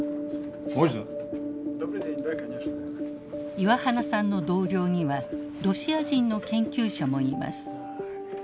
岩花さんの同僚にはロシア人の研究者もいます。